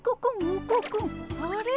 あれ？